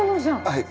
はい。